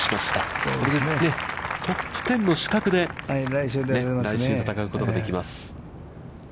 これでトップ１０の資格で来週、戦うことができます。